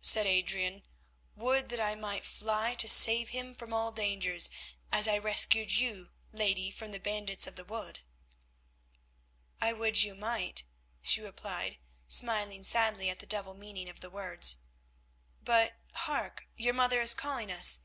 said Adrian, "would that I might fly to save him from all dangers, as I rescued you, lady, from the bandits of the wood." "I would you might," she replied, smiling sadly at the double meaning of the words, "but, hark, your mother is calling us.